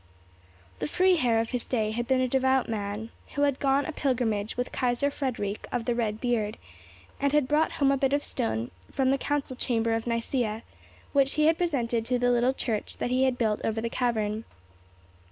The Freiherr of his day had been a devout man, who had gone a pilgrimage with Kaiser Friedrich of the Red Beard, and had brought home a bit of stone from the council chamber of Nicæa, which he had presented to the little church that he had built over the cavern.